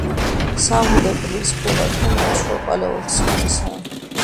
სამგლე კლდის ქვედა ფენა შუა პალეოლითის ხანისაა.